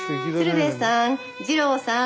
鶴瓶さん二朗さん。